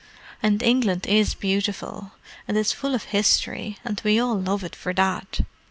And England is beautiful, and it's full of history, and we all love it for that.